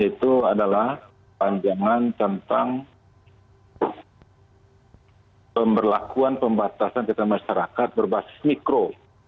itu adalah panjangan tentang pemberlakuan pembatasan kegiatan masyarakat berbasis mikro